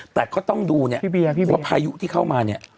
แต่ก็ต้องดูเนี่ยว่าพายุที่เข้ามาเนี่ย